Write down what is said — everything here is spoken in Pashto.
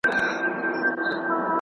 زاهده زما پر ژبه نه راځي توبه له میو ,